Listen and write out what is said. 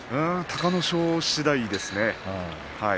隆の勝しだいですね。